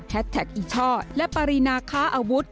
แท็กอีช่อและปรินาค้าอาวุธ